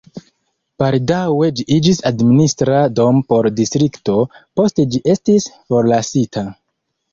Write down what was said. Baldaŭe ĝi iĝis administra domo por distrikto, poste ĝi estis forlasita.